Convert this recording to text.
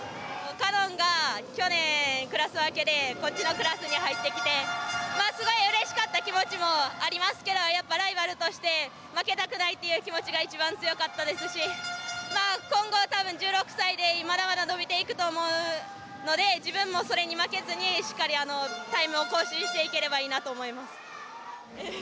果音が去年、クラス分けでこっちのクラスに入ってきてすごいうれしかった気持ちもありますけどやっぱライバルとして負けたくないっていう気持ちが一番強かったですし今後、たぶん１６歳でまだまだ伸びていくと思うので自分も、それに負けずにしっかりタイムを更新していければいいなと思います。